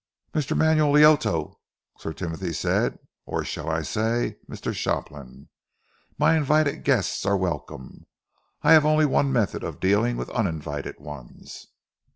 "Mr. Manuel Loito," Sir Timothy said "or shall I say Mr. Shopland? my invited guests are welcome. I have only one method of dealing with uninvited ones."